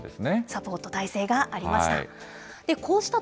サポート体制がありました。